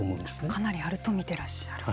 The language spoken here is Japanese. かなりあると見ていらっしゃる？